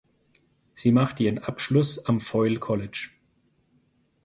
Sie machte ihren Abschluss am Foyle College.